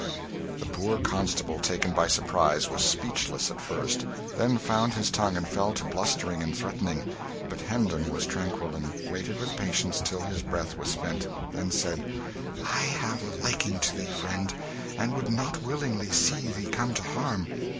The poor constable, taken by surprise, was speechless, at first, then found his tongue and fell to blustering and threatening; but Hendon was tranquil, and waited with patience till his breath was spent; then said "I have a liking to thee, friend, and would not willingly see thee come to harm.